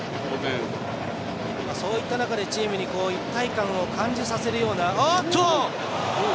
そういった中でチームに一体感を感じさせるような。